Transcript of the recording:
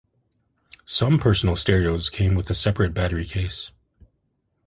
Some personal stereos came with a separate battery case.